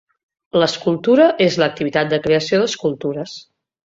L'escultura és l'activitat de creació d'escultures.